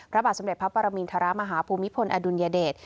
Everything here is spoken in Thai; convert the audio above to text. พระบาทสมเด็จพระปรมินทรมาฮภูมิพลอดุลยเดช